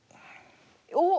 おっ。